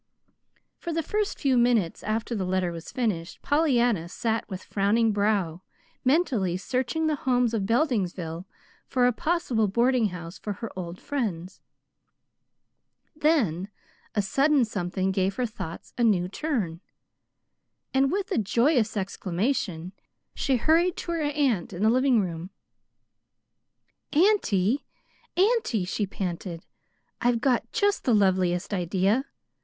For the first few minutes after the letter was finished, Pollyanna sat with frowning brow, mentally searching the homes of Beldingsville for a possible boarding house for her old friends. Then a sudden something gave her thoughts a new turn, and with a joyous exclamation she hurried to her aunt in the living room. "Auntie, auntie," she panted; "I've got just the loveliest idea.